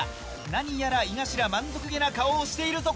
何やら井頭満足げな顔をしているぞ。